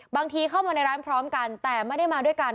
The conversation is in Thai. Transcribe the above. บางทีเข้ามาในร้านพร้อมกันแต่ไม่ได้มาด้วยกัน